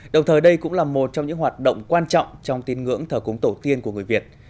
đồng thời đây cũng là một trong những hoạt động quan trọng trong tin ngưỡng thờ cúng tổ tiên của người việt